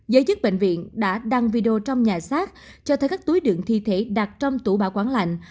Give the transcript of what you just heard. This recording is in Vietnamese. giới chức bệnh viện đã đăng video trong nhà xác cho thấy các túi đựng thi thể đặt trong tủ bảo quản lạnh